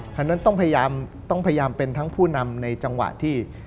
ฉะนั้นต้องพยายามต้องพยายามเป็นทั้งผู้นำในจังหวะที่